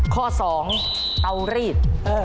ข้อสองเตารีด